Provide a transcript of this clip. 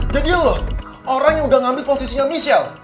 jadi elu orang yang udah ngambil posisinya michelle